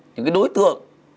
những đối tượng